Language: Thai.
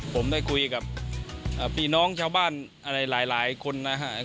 ผมได้คุยกับพี่น้องชาวบ้านหลายคนนะครับ